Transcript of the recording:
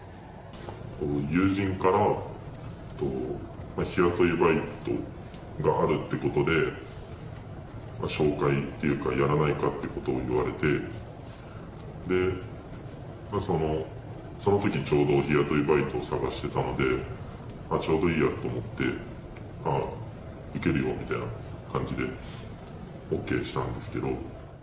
友人から日雇いバイトがあるってことで紹介っていうか、やらないかってことを言われて、そのときちょうど、日雇いバイトを探してたので、ちょうどいいやと思って、あっ、受けるよみたいな感じでＯＫしたんですけど。